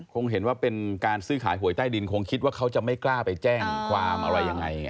คงเห็นว่าเป็นการซื้อขายหวยใต้ดินคงคิดว่าเขาจะไม่กล้าไปแจ้งความอะไรยังไง